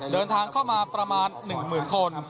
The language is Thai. เดินทางเข้ามาประมาณ๑๐๐๐คน